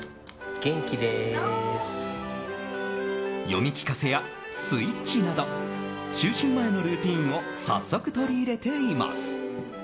読み聞かせやスイッチなど就寝前のルーティンを早速、取り入れています。